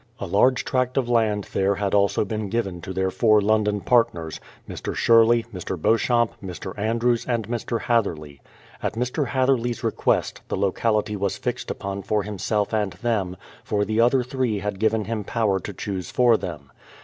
A large tract of land there had also been given to their four London partners, Mr, Sherley, Mr, Beauchamp, Mr. Andrews, and Mr. Hatherley. At Mr, Hatherley's re quest, the locality was fixed upon for himself and them, for the other three had given him power to choose for them.